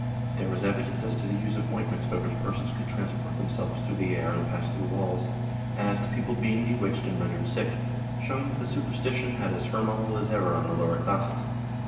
There was evidence as to the use of ointments by which persons could transport themselves through the air and pass through walls, and as to people being bewitched and rendered sick, showing that the superstition had as firm a hold as ever on the lower classes.